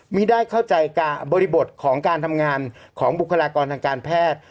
ไม่ได้เข้าใจบริบทของการทำงานของบุคลากรทางการแพทย์